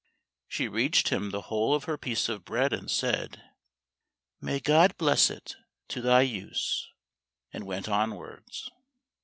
She reached him the whole of her piece of bread, and said, "May God bless it to thy use," and went onwards.